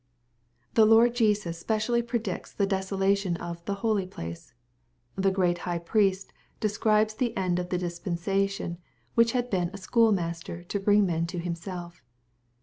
The Lord Jesus specially predicts the desolation of "the holy place." The great High Priest describes the end of the dispensation which had been a schoolmaster to bring men to Himself.